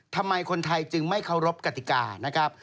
ทำไมคนไทยจึงไม่เคารพกติกานะครับ